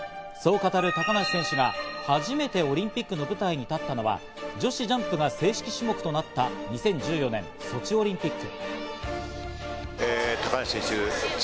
そう語る高梨選手が初めてオリンピックの舞台に立ったのは女子ジャンプが正式種目となった２０１４年ソチオリンピック。